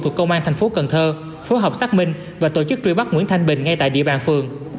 thuộc công an tp cn phố học xác minh và tổ chức truy bắt nguyễn thanh bình ngay tại địa bàn phường